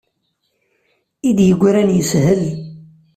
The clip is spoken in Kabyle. I d-yegran yeshel.